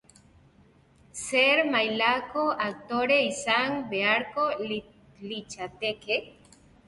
Zer mailako aktore izan beharko litzateke?